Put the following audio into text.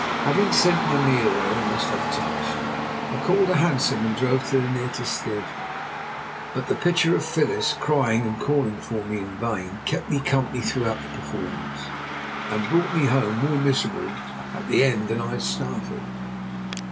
Having sent my meal away almost untouched, I called a hansom and drove to the nearest theatre, but the picture of Phyllis crying and calling for me in vain kept me company throughout the performance, and brought me home more miserable at the end than I had started.